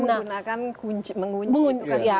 tapi sekarang juga menggunakan mengunci